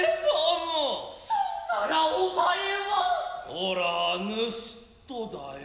おらァ盗人だよ。